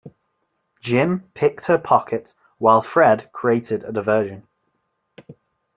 Jim picked her pocket while Fred created a diversion